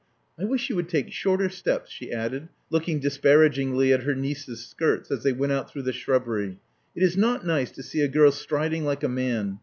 I wish you would take shorter steps," she added, looking dis paragingly at her niece's skirts as they went out through the shrubbery. It is not nice to see a girl striding like a man.